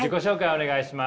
お願いします。